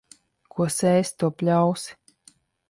Ko sēsi, to pļausi.